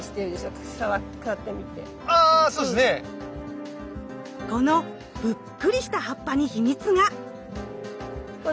このぷっくりした葉っぱに秘密が。